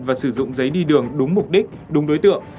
và sử dụng giấy đi đường đúng mục đích đúng đối tượng